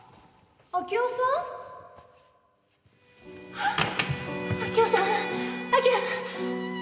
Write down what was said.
あっ！